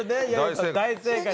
大正解。